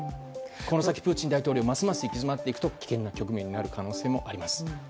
この先、プーチン大統領がますます行き詰まっていくと危険な局面になる可能性もあります。